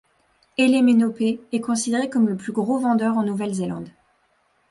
Elemeno P est considéré comme le plus gros vendeur en Nouvelle-Zélande.